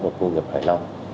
và khu công nghiệp hải long